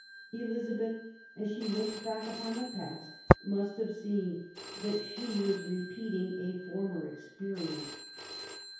Eliza beth, as she looked back upon the past, must have seen that she was repeating a former experience.